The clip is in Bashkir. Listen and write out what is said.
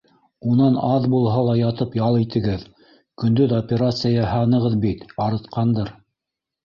Унан аҙ булһа ла ятып ял итегеҙ - көндөҙ операция яһанығыҙ бит, арытҡандыр...